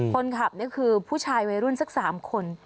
คนขับนี่คือผู้ชายวัยรุ่นสัก๓คน